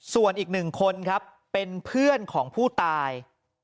ส่วนอีกหนึ่งคนครับเป็นเพื่อนของผู้ตาย